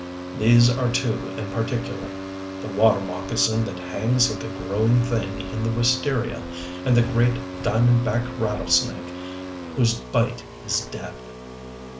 These are two in particular the water moccasin that hangs like a growing thing in the wisteria, and the great, diamond back rattlesnake whose bite is death.